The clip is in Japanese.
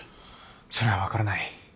それは分からない。